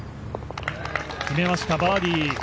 決めました、バーディー。